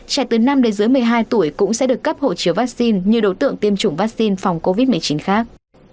trẻ từ năm đến dưới một mươi hai tuổi cũng sẽ được cấp hộ chiếu vaccine như đối tượng tiêm chủng vaccine phòng covid một mươi chín khác